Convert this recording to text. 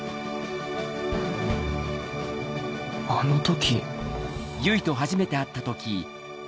あの時